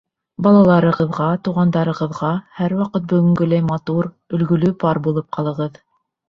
Балаларығыҙға, туғандарығыҙға һәр ваҡыт бөгөнгөләй матур, өлгөлө пар булып ҡалығыҙ.